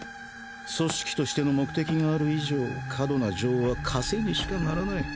組織としての目的がある以上過度な情は枷にしかならない。